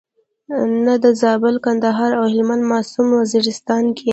نه د زابل، کندهار او هلمند په معصوم وزیرستان کې.